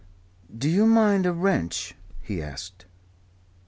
"Do you mind a wrench?" he asked.